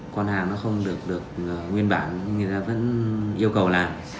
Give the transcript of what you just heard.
con hàng nó không được được nguyên bản nhưng người ta vẫn yêu cầu làm